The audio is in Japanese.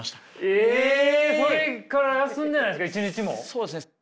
そうですね。